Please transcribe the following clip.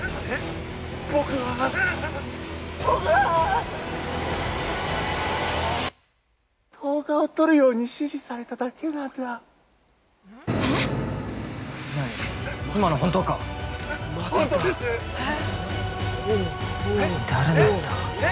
僕は、僕は動画を撮るように指示されただけなんだ。◆何？